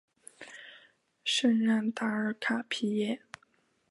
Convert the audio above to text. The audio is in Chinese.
圣让达尔卡皮耶。